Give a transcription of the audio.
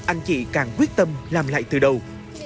anh chị càng quyết tâm làm lại từ đầu